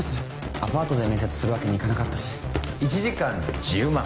アパートで面接するわけにいかなかったし１時間１０万